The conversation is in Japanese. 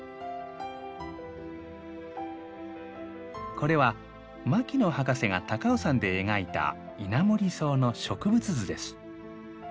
これは牧野博士が高尾山で描いたイナモリソウの植物図です。